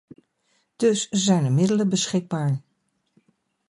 Dus zijn er middelen beschikbaar.